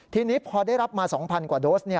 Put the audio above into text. ทีนี้พอได้รับมา๒๐๐กว่าโดส